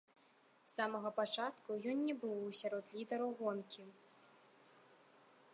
З самага пачатку ён не быў сярод лідараў гонкі.